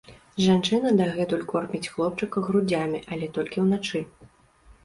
Жанчына дагэтуль корміць хлопчыка грудзямі, але толькі ўначы.